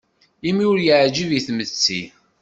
Imi ur yeɛjib i tmetti.